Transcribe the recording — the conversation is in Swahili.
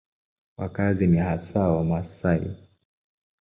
Wakazi ni hasa Wamasai.